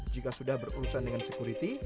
jika sudah berurusan dengan security